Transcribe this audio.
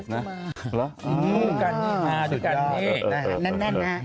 นั่นนั่นน่ะ